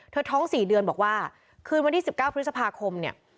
ท้อง๔เดือนบอกว่าคืนวันที่๑๙พฤษภาคมเนี่ย